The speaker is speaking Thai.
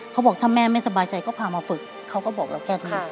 เขาบอกถ้าแม่ไม่สบายใจก็พามาฝึกเขาก็บอกเราแค่นี้